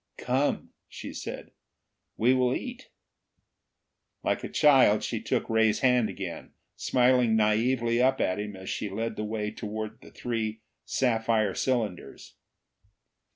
"Come," she said. "We will eat." Like a child, she took Ray's hand again, smiling naively up at him as she led the way toward the three sapphire cylinders.